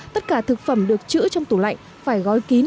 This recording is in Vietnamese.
tất cả thực phẩm được chữa trong tủ lạnh phải gói kín